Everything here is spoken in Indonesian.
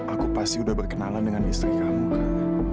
aku pasti udah berkenalan dengan istri kamu kan